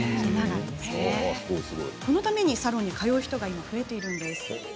このためにサロンに通う人が増えているそうです。